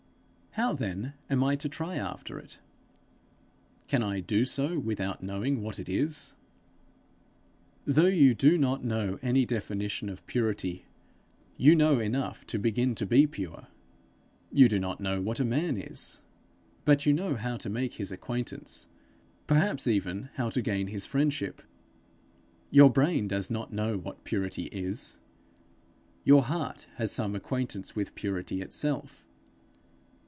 'How then am I to try after it? can I do so without knowing what it is?' Though you do not know any definition of purity, you know enough to begin to be pure. You do not know what a man is, but you know how to make his acquaintance perhaps even how to gain his friendship. Your brain does not know what purity is; your heart has some acquaintance with purity itself.